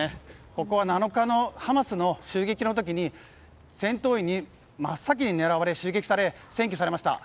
ここは７日のハマスの襲撃の時に戦闘員に真っ先に襲撃され、占拠されました。